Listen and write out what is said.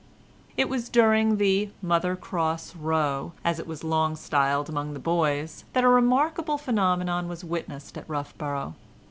It was during the "Mother Cross row," as it was long styled among the boys, that a remarkable phenomenon was witnessed at Roughborough.